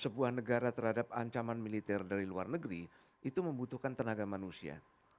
sebuah negara terhadap ancaman militer dari luar negeri itu membutuhkan tenaga manusia